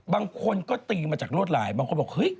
บางคนก็ตีมาจากรวดรายบางคนก็แบบเห้ย